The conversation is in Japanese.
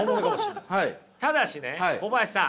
ただしね小林さん。